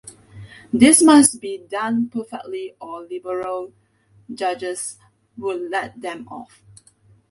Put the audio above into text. This must be done perfectly or liberal judges would let them off.